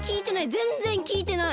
ぜんぜんきいてない！